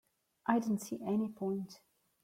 I didn't see any point.